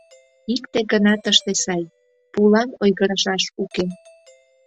Икте гына тыште сай: пулан ойгырышаш уке.